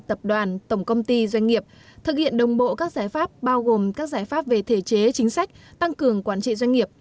tập đoàn tổng công ty doanh nghiệp thực hiện đồng bộ các giải pháp bao gồm các giải pháp về thể chế chính sách tăng cường quản trị doanh nghiệp